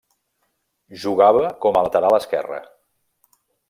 Jugava com a lateral esquerre.